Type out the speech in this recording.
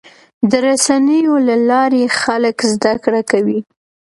د رسنیو له لارې خلک زدهکړه کوي.